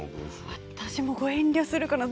私もご遠慮するかな。